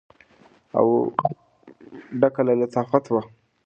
او ډکه له لطافت وه.